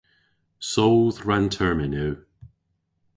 Soodh rann-termyn yw.